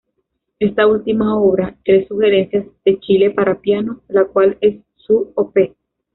Esta última obra; "Tres Sugerencias de Chile para piano", la cual es su Op.